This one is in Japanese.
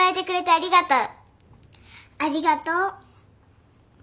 ありがとう。